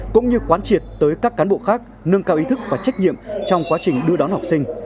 cũng như quán triệt tới các cán bộ khác nâng cao ý thức và trách nhiệm trong quá trình đưa đón học sinh